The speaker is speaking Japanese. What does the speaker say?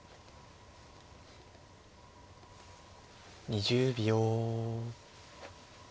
２０秒。